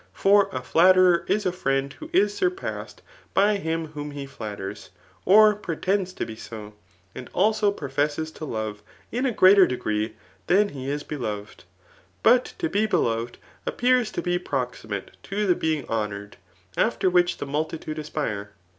For a flatterer is a fiiend who is surpassed [by him whom he flatters,] or pretends to be so^ and also professes to love in a greater degree than he is beloved* But to be beloved appears to \fe proximate to the being honoured, after which the multi tude aspire.